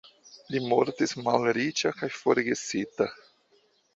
Li mortis malriĉa kaj forgesita.